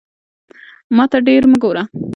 ماته ډیر مه ګوره